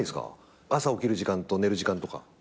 朝起きる時間と寝る時間とか。